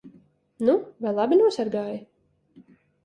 Nu vai labi nosargāji?